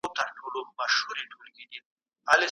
اسلام توپیر نه مني.